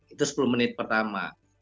itu sepuluh menit pertama